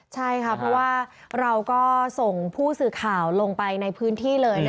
ใช่ค่ะเพราะว่าเราก็ส่งผู้สื่อข่าวลงไปในพื้นที่เลย